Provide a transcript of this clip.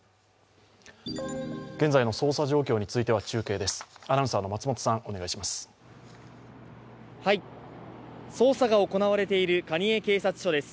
現在の捜査状況については中継です。